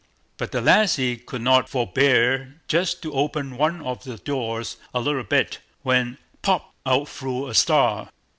But the lassie could not forbear just to open one of the doors a little bit, when—POP! out flew a Star.